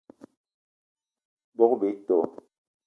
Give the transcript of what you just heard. Bogb-ito